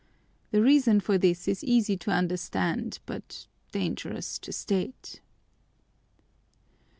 The reason for this is easy to understand but dangerous to state.